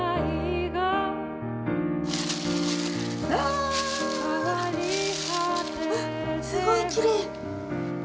・ああ！あっすごいきれい。